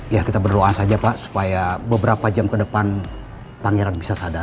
ya kita berdoa saja pak supaya beberapa jam ke depan pangeran bisa sadar